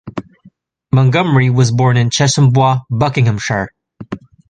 Montgomery was born in Chesham Bois, Buckinghamshire.